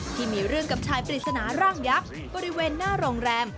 ที่มีเรื่องกับชายปริศนาร่างยักษ์บริเวณหน้าโรงแรม